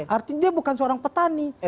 artinya dia bukan seorang petani